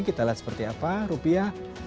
kita lihat seperti apa rupiah